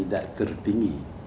karena tidak tertinggi